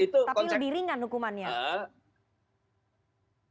tapi lebih ringan hukumannya